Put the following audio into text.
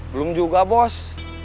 belum juga bos